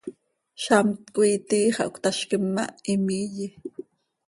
Zamt coi itii xah cötazquim ma, him iiye.